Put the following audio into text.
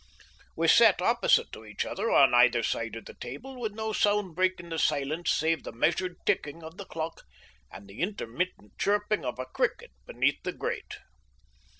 We sat opposite to each other on either side of the table with no sound breaking the silence save the measured ticking of the clock and the intermittent chirping of a cricket beneath the grate.